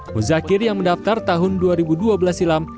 muzakir yang mendaftar tahun dua ribu dua belas silam